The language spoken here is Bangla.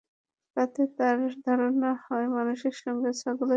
তাতে তাঁর ধারণা হয়, মানুষের সঙ্গে ছাগলের সম্পর্ক আদিমকাল থেকেই খুব ঘনিষ্ঠ।